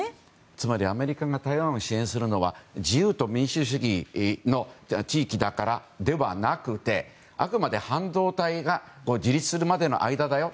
つまり、アメリカが台湾を支援するのは自由と民主主義の地域だからではなくてあくまで半導体で自立するまでの間だよ。